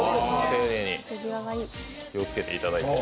丁寧に気をつけていただいて。